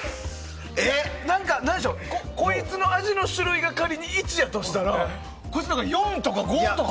こいつの味の種類が仮に１やとしたらこいつは４とか５とか。